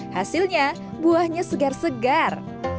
hasilnya buahnya segar segar